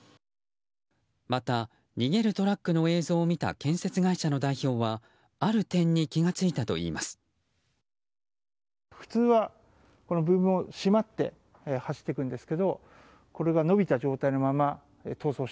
また、逃げるトラックの映像を見た建設会社の代表はある点に気が付いたといいます。